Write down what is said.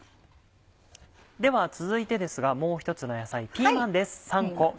では続いてですがもう一つの野菜ピーマンです。